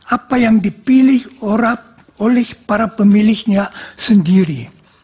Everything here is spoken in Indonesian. apa yang dipilih oleh para pemilihnya sendiri